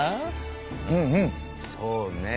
うんうんそうね。